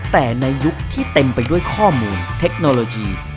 แต่ในยุคที่เต็มไปด้วยข้อมูลเทคโนโลยี